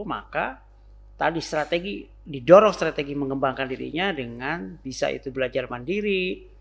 maka tadi strategi didorong strategi mengembangkan dirinya dengan bisa itu belajar mandiri